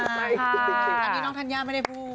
อันนี้น้องธัญญาไม่ได้พูด